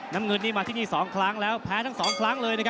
น้ำเงินนี้มาที่นี่๒ครั้งแล้วแพ้ทั้ง๒ครั้งเลยนะครับ